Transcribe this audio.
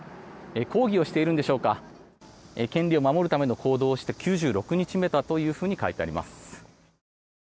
抗議をしているんでしょうか権利を守るための行動をして９６日目だというふうに書いてあります。